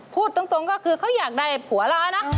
พูดตรงก็คือเขาอยากได้ผัวร้ายนะ